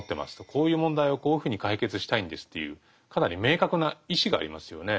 「こういう問題をこういうふうに解決したいんです」というかなり明確な意志がありますよね。